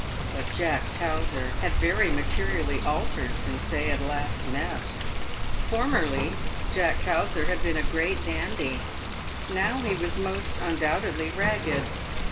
But Jack Towser had very materially altered since they had last met. Formerly Jack Towser had been a great dandy ; now he was most undoubtedly ragged.